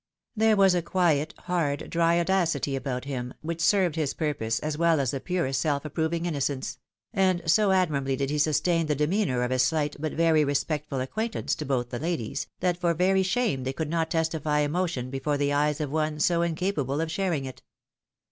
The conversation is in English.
There was a quiet, hard, dry audacity about him, which served his purpose as well as the purest self approving innocence ; and so admirably did he sustain the demeanour of a slight, but very respectful acquaintance to both the ladies, that for very shame they could not testify emotion before the eyes of one so incapable of shar ing it.